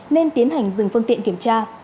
nên tiến hành dừng phương tiện kiểm tra